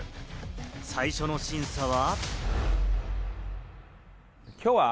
最初の審査は。